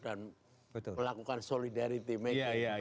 dan melakukan solidaritas